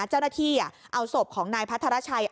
เจ้าหน้าที่เอาศพของนายพัทรชัย